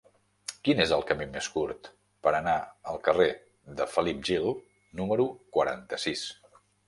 Quin és el camí més curt per anar al carrer de Felip Gil número quaranta-sis?